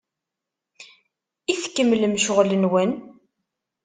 I tkemmlem ccɣel-nwen?